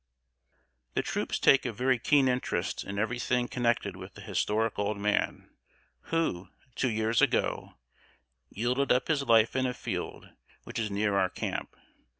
"] The troops take a very keen interest in every thing connected with the historic old man, who, two years ago, yielded up his life in a field which is near our camp.